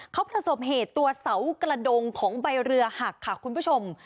เขาประสบเหตุตัวเสากระดงของใบเรือหักค่ะคุณผู้ชม